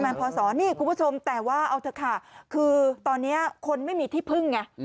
นี่คุณผู้ชมแต่ว่าเอาเถอะค่ะคือตอนนี้คนไม่มีที่พึ่งไง